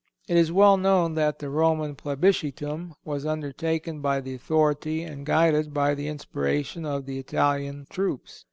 It is well known that the Roman plebiscitum was undertaken by the authority and guided by the inspiration of the Italian troops.